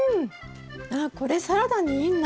ああこれサラダにいいな。